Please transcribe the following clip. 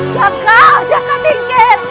jaka jaka tingkir